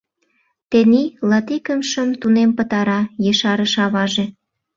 — Тений латикымшым тунем пытара, — ешарыш аваже.